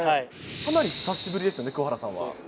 かなり久しぶりですね、鍬原さんは。